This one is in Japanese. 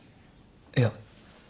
いや。